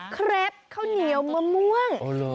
เครปข้าวเหนียวมะม่วง